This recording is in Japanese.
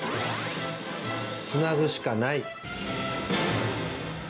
つなぐシカない。